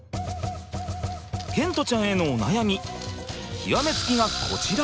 賢澄ちゃんへのお悩み極め付きがこちら。